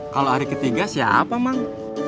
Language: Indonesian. kalau hari ketiga siapa mang